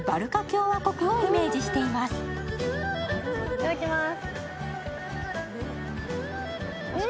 いただきまーす。